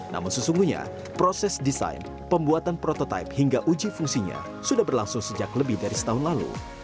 namun sesungguhnya proses desain pembuatan prototipe hingga uji fungsinya sudah berlangsung sejak lebih dari setahun lalu